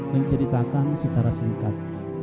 menceritakan secara singkat